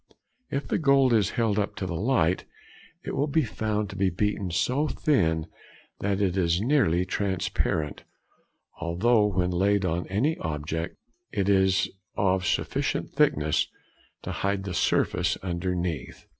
If the gold is held up to the light, it will be found to be beaten so thin that it is nearly transparent, although when laid on any object it is of sufficient thickness to hide the surface underneath.